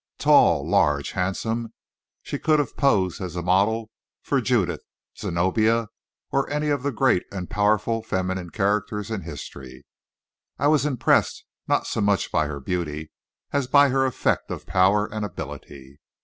Tall, large, handsome, she could have posed as a model for Judith, Zenobia, or any of the great and powerful feminine characters in history. I was impressed not so much by her beauty as by her effect of power and ability.